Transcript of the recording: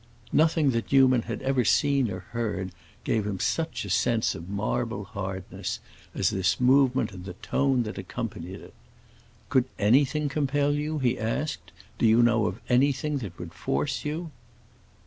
Nothing that Newman had ever seen or heard gave him such a sense of marble hardness as this movement and the tone that accompanied it. "Could anything compel you?" he asked. "Do you know of anything that would force you?"